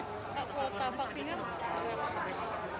pak waktu vaksinnya berapa